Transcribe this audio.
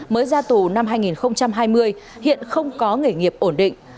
mới ra tù năm hai nghìn hai mươi hiện không có nghề nghiệp ổn định